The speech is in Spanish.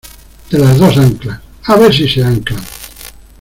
de las dos anclas, a ver si se anclan.